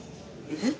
えっ？